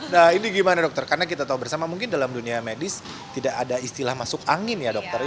nah ini gimana dokter karena kita tahu bersama mungkin dalam dunia medis tidak ada istilah masuk angin ya dokter ya